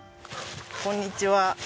こんにちは。